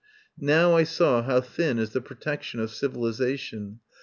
Now I saw how thin is the protection of civilisation.